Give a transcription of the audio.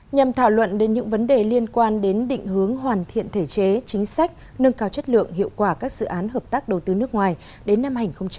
nhằm thảo luận đến những vấn đề liên quan đến định hướng hoàn thiện thể chế chính sách nâng cao chất lượng hiệu quả các dự án hợp tác đầu tư nước ngoài đến năm hai nghìn ba mươi